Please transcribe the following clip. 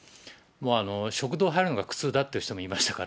食堂入るのが苦痛だっていう人もいましたから。